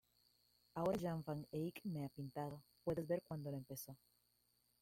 Ahora Jan van Eyck me ha pintado, Puedes ver cuando lo empezó.